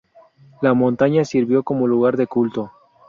La montaña sirvió como lugar de culto.